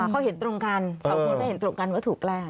เขาเห็นตรงกันสองคนก็เห็นตรงกันว่าถูกแกล้ง